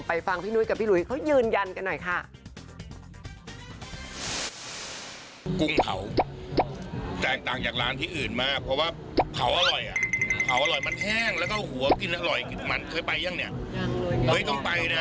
ฟังพี่นุ้ยกับพี่หลุยเขายืนยันกันหน่อยค่ะ